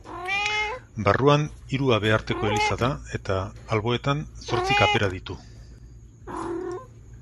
Barruan hiru habearteko eliza da eta, alboetan, zortzi kapera ditu.